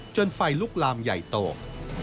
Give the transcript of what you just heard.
ไฟลุกลามใหญ่โต